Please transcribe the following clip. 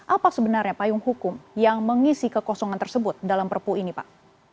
apa sebenarnya payung hukum yang mengisi kekosongan tersebut dalam perpu ini pak